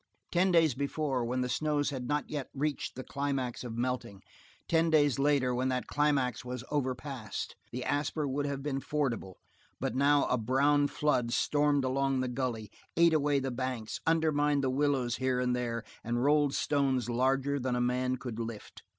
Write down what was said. Ten days before, when the snows had not yet reached the climax of melting, ten days later when that climax was overpassed, the Asper would have been fordable, but now a brown flood stormed along the gully, ate away the banks, undermined the willows here and there, and rolled stones larger than a man could lift.